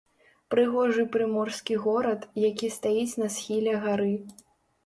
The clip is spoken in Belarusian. Прыгожы прыморскі горад, які стаіць на схіле гары.